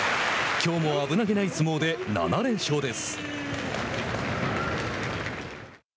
きょうも危なげない相撲で７連勝です。